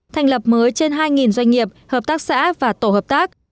thành lập mới trên hai doanh nghiệp hợp tác xã và tổ hợp tác